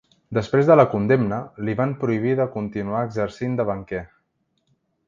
Després de la condemna, li van prohibir de continuar exercint de banquer.